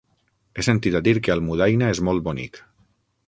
He sentit a dir que Almudaina és molt bonic.